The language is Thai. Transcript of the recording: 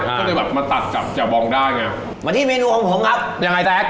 ใช่หรือแบบมาตัดจับจะบองได้ไงมาที่เมนูของของครับยังไงแตะ